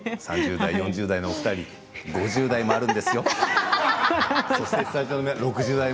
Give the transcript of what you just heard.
３０代、４０代の２人５０代もあるんですよ。